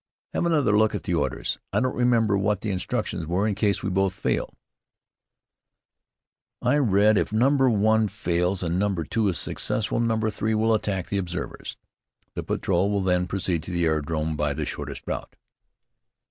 "Have another look at the orders. I don't remember what the instructions were in case we both fail." I read, "If number 1 fails and number 2 is successful, number 3 will attack the observers. The patrol will then proceed to the aerodrome by the shortest route."